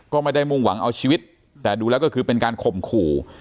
ก็ไม่ได้มุ่งหวังเอาชีวิตแต่ดูแล้วก็คือเป็นการข่มขู่